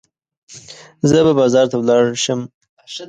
زه به بازار ته ولاړه شم.